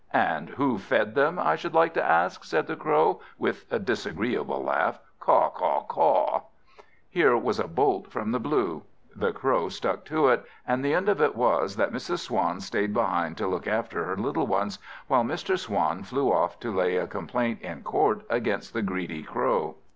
"And who fed them, I should like to ask?" said the Crow, with a disagreeable laugh: "Caw, caw, caw!" Here was a bolt from the blue! The Crow stuck to it, and the end of all was, that Mrs. Swan stayed behind to look after her little ones, while Mr. Swan flew off to lay a complaint in court against the greedy Crow.